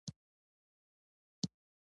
ښه دوستان د ژوند ریښتینې شتمني ده.